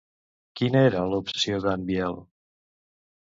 Quina era l'obsessió d'en Biel?